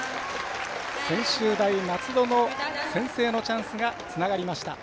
専修大松戸の先制のチャンスがつながりました。